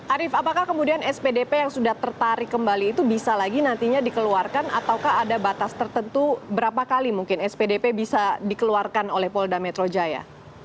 arief apakah kemudian spdp yang sudah tertarik kembali itu bisa lagi nantinya dikeluarkan ataukah ada batas tertentu berapa kali mungkin spdp bisa dikeluarkan oleh polda metro jaya